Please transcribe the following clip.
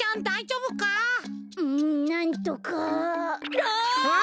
うんなんとかああ！